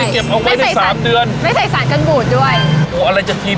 ขายกระปูกตั้ง๕๐ลิก